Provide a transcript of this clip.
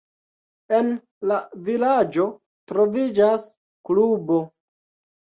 En la vilaĝo troviĝas klubo.